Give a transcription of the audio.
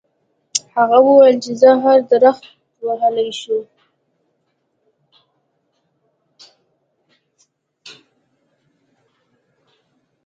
هغه وویل چې زه هر درخت وهلی شم.